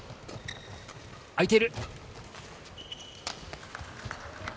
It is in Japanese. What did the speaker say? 空いている。